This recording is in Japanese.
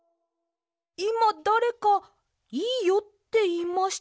いまだれか「いいよ」っていいました？